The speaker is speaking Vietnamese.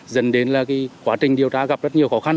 dần đến là cái quá trình điều tra gặp rất nhiều khó khăn